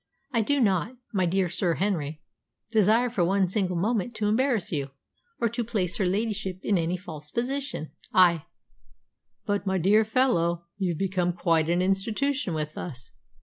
I do not, my dear Sir Henry, desire for one single moment to embarrass you, or to place her ladyship in any false position. I " "But, my dear fellow, you've become quite an institution with us!"